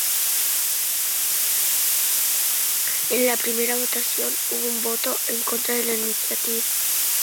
En la primera votación, hubo un voto en contra de la iniciativa.